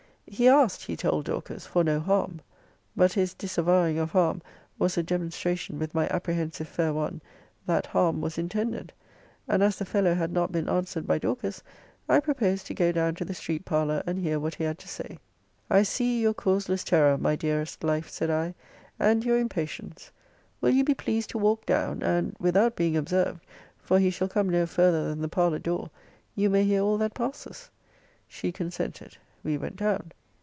He asked, he told Dorcas, for no harm. But his disavowing of harm, was a demonstration with my apprehensive fair one, that harm was intended. And as the fellow had not been answered by Dorcas, I proposed to go down to the street parlour, and hear what he had to say. I see your causeless terror, my dearest life, said I, and your impatience Will you be pleased to walk down and, without being observed, (for he shall come no farther than the parlour door,) you may hear all that passes? She consented. We went down.